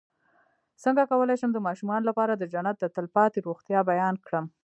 څنګه کولی شم د ماشومانو لپاره د جنت د تل پاتې روغتیا بیان کړم